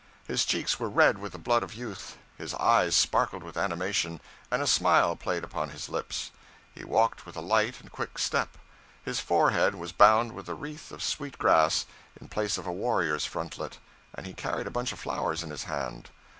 His cheeks were red with the blood of youth, his eyes sparkled with animation, and a smile played upon his lips. He walked with a light and quick step. His forehead was bound with a wreath of sweet grass, in place of a warrior's frontlet, and he carried a bunch of flowers in his hand.